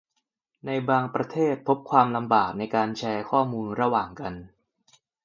ในบางประเทศ พบความลำบากในการแชร์ข้อมูลระหว่างกัน